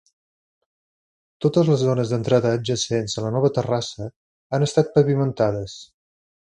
Totes les zones d'entrada adjacents a la nova terrassa han estat pavimentades.